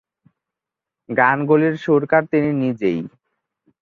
গানগুলির সুরকার তিনি নিজেই।